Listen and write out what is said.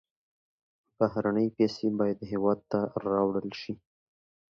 بهرنۍ پیسې باید هېواد ته راوړل شي.